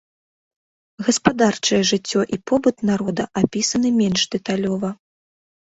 Гаспадарчае жыццё і побыт народа апісаны менш дэталёва.